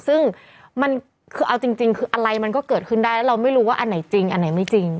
ซึ่งมันคือเอาจริงคืออะไรมันก็เกิดขึ้นได้แล้วเราไม่รู้ว่าอันไหนจริงอันไหนไม่จริง